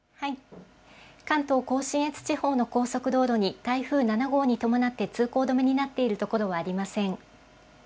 関東甲信越地方の高速道路に台風７号に伴って通行止めになっているところはありません。